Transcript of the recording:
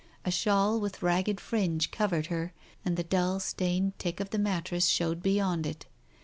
A shawl with ragged fringe covered her, and the dull stained tick of the mattress showed beyond it.